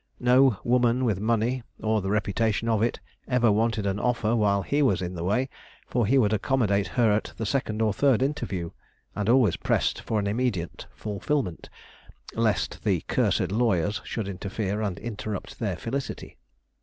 No woman with money, or the reputation of it, ever wanted an offer while he was in the way, for he would accommodate her at the second or third interview: and always pressed for an immediate fulfilment, lest the 'cursed lawyers' should interfere and interrupt their felicity.